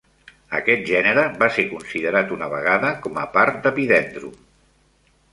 Aquest gènere va ser considerat una vegada com a part d'"Epidendrum".